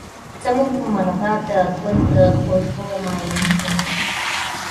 زمونږ مرغه د ګل د خوشبو معاینه کوي.